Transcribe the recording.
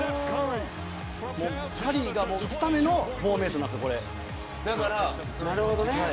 カリーが打つためのフォーメーションなんです。